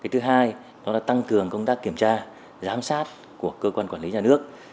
thứ hai đó là tăng cường công tác kiểm tra giám sát của cơ quan quản lý nhà nước